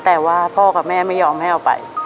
แต่ว่าพ่อกับแม่ไม่ยอมให้เอาไป